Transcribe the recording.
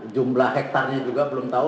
jumlah hektarnya juga belum tahu